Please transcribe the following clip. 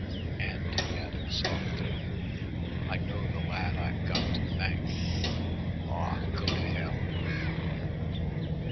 And," he added softly, "I know the lad I've got to thank." "Aw, go to hell."